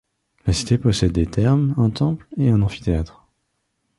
La cité possède des thermes, un temple et un amphithéâtre.